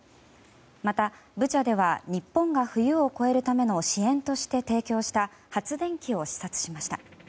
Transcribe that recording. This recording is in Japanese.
また、ブチャでは日本が冬を越えるための支援として提供した発電機を視察しました。